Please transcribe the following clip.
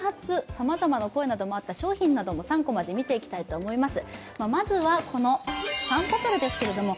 さまざまな声もあった商品なども３コマで見ていきたいと思います。